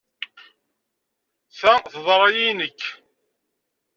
Ta teḍra-iyi i nekk.